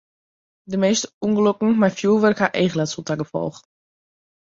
De measte ûngelokken mei fjurwurk ha eachletsel ta gefolch.